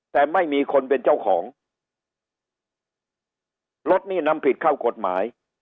แต่ไม่มีคนเป็นเจ้าของรถนี่นำผิดเข้ากฎหมาย